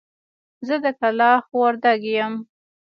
زه د کلاخ وردک يم.